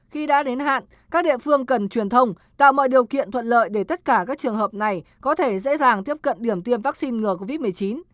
khi đã đến hạn các địa phương cần truyền thông tạo mọi điều kiện thuận lợi để tất cả các trường hợp này có thể dễ dàng tiếp cận điểm tiêm vaccine ngừa covid một mươi chín